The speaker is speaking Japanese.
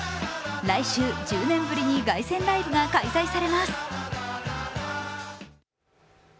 来週、１０年ぶりに凱旋ライブが開催されます。